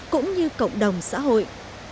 cũng như cộng đồng xã hội